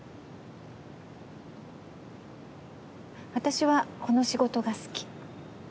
私はこの仕事が好き。